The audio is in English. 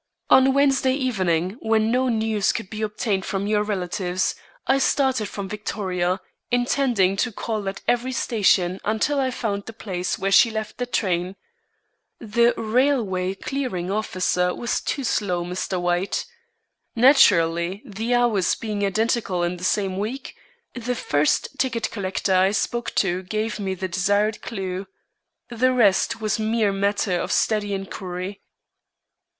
On Wednesday evening when no news could be obtained from your relatives, I started from Victoria, intending to call at every station until I found the place where she left the train. The railway clearing officer was too slow, Mr. White. Naturally, the hours being identical in the same week, the first ticket collector I spoke to gave me the desired clue. The rest was a mere matter of steady inquiry."